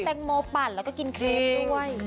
แตงโมปั่นแล้วก็กินครีบด้วย